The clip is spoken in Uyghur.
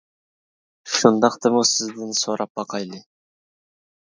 شۇنداقتىمۇ سىزدىن سوراپ باقايلى .